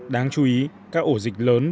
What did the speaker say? đáng chú ý các ổ dịch lớn b e t a